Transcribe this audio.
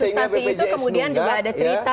ya ada substansi itu kemudian juga ada cerita